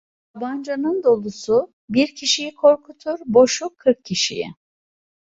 Tabancanın dolusu bir kişiyi korkutur, boşu kırk kişiyi.